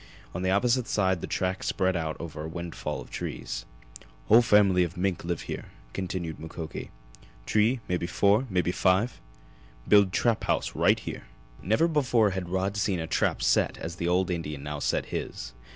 On the opposite side the tracks spread out over a windfall of trees. "Whole family mink live here," continued Mukoki. "T'ree mebby four mebby five. Build trap house right here!" Never before had Rod seen a trap set as the old Indian now set his.